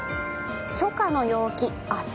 初夏の陽気明日